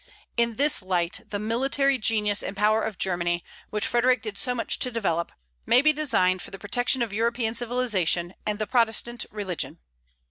In this light the military genius and power of Germany, which Frederic did so much to develop, may be designed for the protection of European civilization and the Protestant religion.